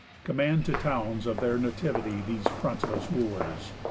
Command to towns of their nativity These frontless wooers.